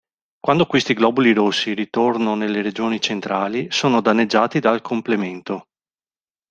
Quando questi globuli rossi ritorno nelle regioni centrali, sono danneggiati dal complemento.